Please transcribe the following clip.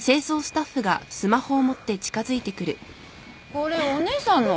これお姉さんの？